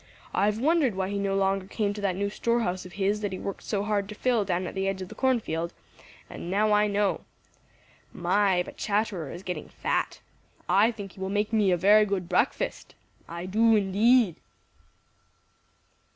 I've wondered why he no longer came to that new store house of his that he worked so hard to fill down at the edge of the cornfield, and now I know. My, but Chatterer is getting fat! I think he will make me a very good breakfast. I do, indeed!"